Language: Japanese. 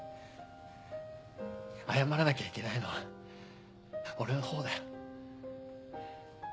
謝らなきゃいけないのは俺のほうだよ。